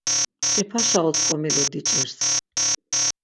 Mç̌ipaşa otzǩomilu diç̌irs.